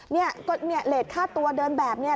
เนี่ยเหรดค่าตัวเดินแบบเนี่ย